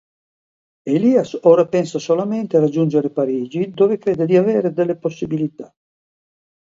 Elias ora pensa solamente a raggiungere Parigi, dove crede di avere delle possibilità.